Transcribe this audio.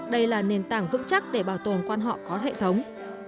đây là nền tảng vững chắc để bảo tồn quan họ có hệ thống